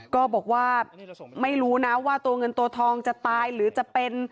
ก็บอกว่าไม่รู้นะว่าตัวเงินตัวทองจะตายหรือจะเป็น